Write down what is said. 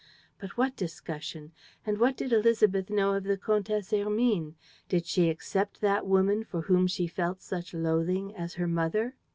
But what discussion? And what did Élisabeth know of the Comtesse Hermine? Did she accept that woman, for whom she felt such loathing, as her mother?